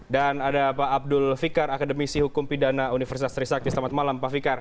dan ada pak abdul fikar akademisi hukum pidana universitas trisakti selamat malam pak fikar